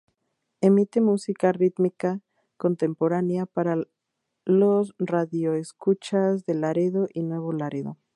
Emite música rítmica contemporánea para los radioescuchas de Laredo y Nuevo Laredo.